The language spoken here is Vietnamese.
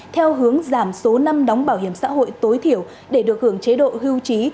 theo hướng giảm số năm đóng bảo hiểm xã hội tối thiểu để được hưởng chế độ hưu trí